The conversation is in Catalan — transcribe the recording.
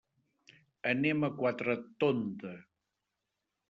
Anem a Quatretonda.